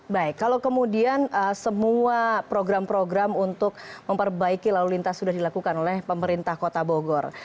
baik kalau kemudian semua program program untuk memperbaiki lalu lintas sudah dilakukan oleh pemerintah kota bogor